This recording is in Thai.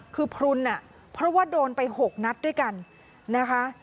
คือพลุนอ่ะเพราะว่าโดนไป๖นัดด้วยกันนะคะ